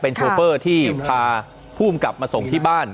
เป็นโชฟอร์ที่พาผู้กลับมาส่งที่บ้าน